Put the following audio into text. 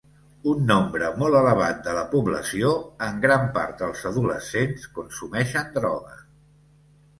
Un nombre molt elevat de la població, en gran part els adolescents, consumeixen droga.